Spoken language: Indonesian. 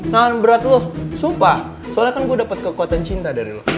nah berat lu sumpah soalnya kan gue dapat kekuatan cinta dari lu